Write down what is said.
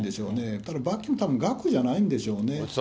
ただ罰金、額じゃないんでしょうね。